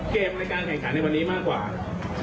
ในการแข่งขันในวันนี้มากกว่า